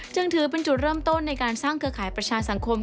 จึงถือเป็นจุดเริ่มต้นในการสร้างเครือข่ายประชาสังคม